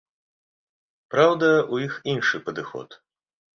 Праўда, у іх іншы падыход.